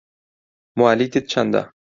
موالیدت چەندە؟